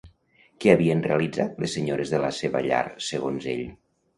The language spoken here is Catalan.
Què havien realitzat les senyores de la seva llar segons ell?